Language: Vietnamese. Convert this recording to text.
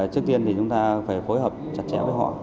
trước tiên thì chúng ta phải phối hợp chặt chẽ với họ